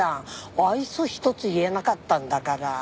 愛想一つ言えなかったんだから。